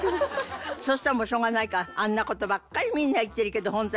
そしたらもうしょうがないから「あんな事ばっかりみんな言ってるけど本当